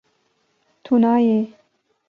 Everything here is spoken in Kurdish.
Tu nayê